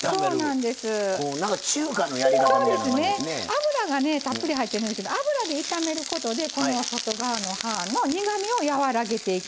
油がねたっぷり入ってるんですけど油で炒めることでこの外側の葉の苦みをやわらげていきますね。